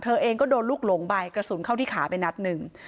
เองก็โดนลูกหลงไปกระสุนเข้าที่ขาไปนัดหนึ่ง